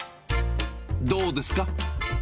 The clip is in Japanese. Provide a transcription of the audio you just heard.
どうですか？